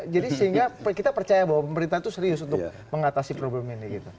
jadi sehingga kita percaya bahwa pemerintah itu serius untuk mengatasi problem ini gitu